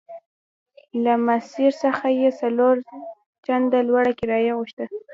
له ماسیر څخه یې څلور چنده لوړه کرایه غوښته.